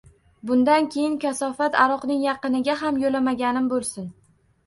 Bundan keyin kasofat aroqning yaqiniga ham yo`lamaganim bo`lsin